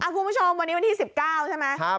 คุณผู้ชมวันนี้วันที่๑๙ใช่ไหม